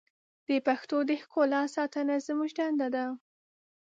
د پښتو د ښکلا ساتنه زموږ دنده ده.